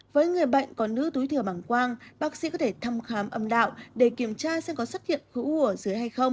với người bệnh có nữ túi thừa bảng quang bác sĩ có thể thăm khám âm đạo để kiểm tra xem có xuất hiện hữu hổ dưới hay không